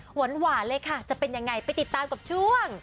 หวานเลยค่ะจะเป็นยังไงไปติดตามกับช่วง